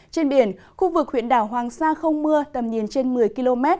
trên biển khu vực huyện đảo hoàng sa không mưa tầm nhìn trên một mươi km